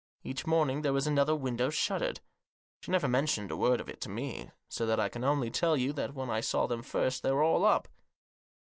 Each morning there was another window shuttered. She never mentioned a word of it to me ; so that I can only tell you that when I saw them first they were all up."